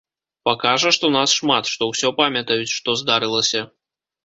Пакажа, што нас шмат, што ўсё памятаюць, што здарылася.